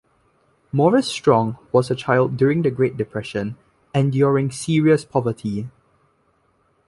Maurice Strong was a child during the Great Depression, enduring serious poverty.